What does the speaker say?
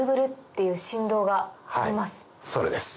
それです